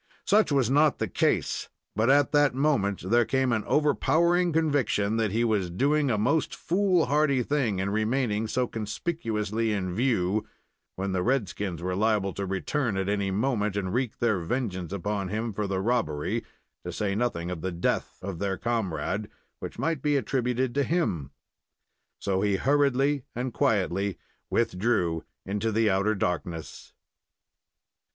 Such was not the case; but at that moment there came an overpowering conviction that he was doing a most foolhardy thing in remaining so conspicuously in view, when the red skins were liable to return at any moment and wreak their vengeance upon him for the robbery, to say nothing of the death, of their comrade, which might be attributed to him. So he hurriedly and quietly withdrew into the outer darkness.